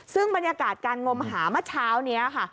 ซึ่งบรรยากาศการงมหาเมื่อเช้านี้ค่ะ